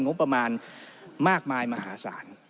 งบประมาณมากมายมหาศาล